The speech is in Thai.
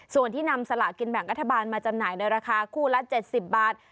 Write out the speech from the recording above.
ส่วนที่นำสลากินแบ่งรัฐบาลมาจำหน่ายในราคาคู่ละ๗๐บาท